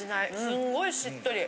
すごいしっとり。